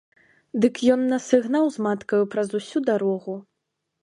Дык ён нас і гнаў з маткаю праз усю дарогу.